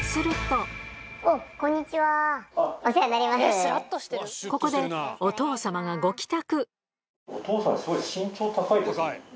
そしてここでお父様がご帰宅